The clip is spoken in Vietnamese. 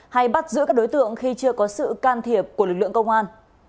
hay bắt giữ các đối tượng khi chưa có sự can thiệp của lực lượng công an